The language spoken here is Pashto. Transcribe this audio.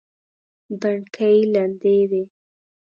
بڼکې لندې وې.